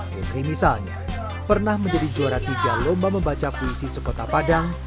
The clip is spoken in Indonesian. fitri misalnya pernah menjadi juara tiga lomba membaca puisi sekota padang